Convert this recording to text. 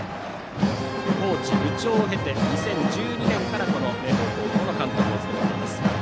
コーチ、部長を経て２０１２年から明豊高校の監督を務めています。